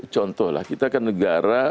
contoh lah kita kan negara